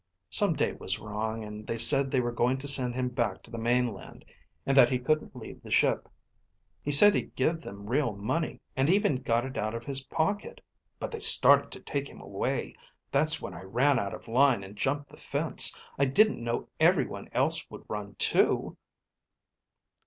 Some date was wrong, and they said they were going to send him back to the mainland and that he couldn't leave the ship. He said he'd give them real money, and even got it out of his pocket. But they started to take him away. That's when I ran out of line and jumped the fence. I didn't know everyone else would run too."